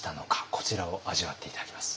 こちらを味わって頂きます。